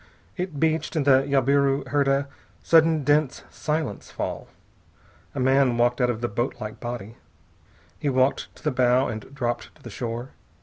It beached, and the jabiru heard a sudden dense silence fall. A man climbed out of the boatlike body. He walked to the bow and dropped to the shore.